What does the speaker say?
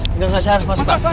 enggak enggak saya harus masuk pak